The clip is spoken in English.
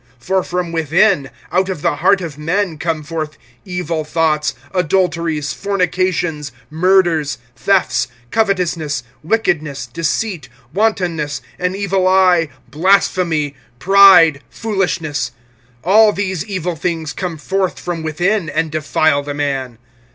(21)For from within, out of the heart of men, come forth evil thoughts, adulteries, fornications, murders, (22)thefts, covetousness, wickedness, deceit, wantonness, an evil eye, blasphemy, pride, foolishness. (23)All these evil things come forth from within, and defile the man.